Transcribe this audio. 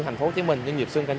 thành phố hồ chí minh